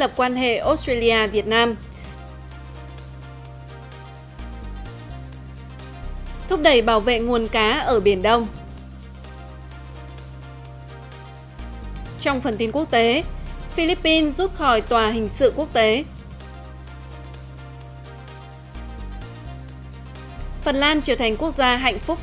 các bạn hãy đăng ký kênh để ủng hộ kênh của chúng mình nhé